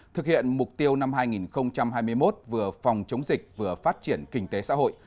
thực hiện mục tiêu năm hai nghìn hai mươi một vừa phòng chống dịch vừa phát triển kinh tế xã hội